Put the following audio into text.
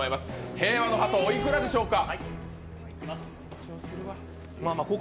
「平和の鳩」おいくらでしょうか？